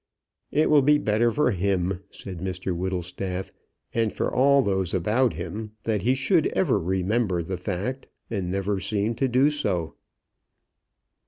"It will be better for him," said Mr Whittlestaff, "and for all those about him, that he should ever remember the fact and never seem to do so."